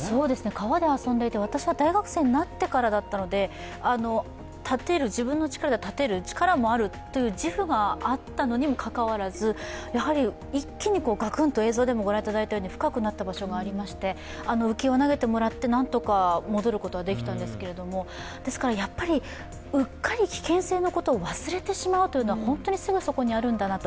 川で遊んでいて私は大学生になってからだったので自分の力で立てる、力があるって自負があったのにもかかわらずやはり一気にガクンと、映像でもご覧いただいたように深くなった場所がありまして、浮き輪投げてもらってなんとかもどることができたんですけどもやっぱり、うっかり危険性のことを忘れてしまうというのは本当にすぐそこにあるんだなと。